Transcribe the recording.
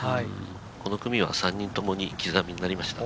この組は３人ともに刻みとなりました。